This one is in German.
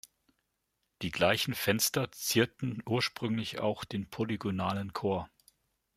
Die gleichen Fenster zierten ursprünglich auch den polygonalen Chor.